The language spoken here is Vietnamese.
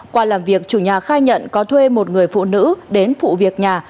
qua làm việc chủ nhà khai nhận có thuê một người phụ nữ đến phụ việc nhà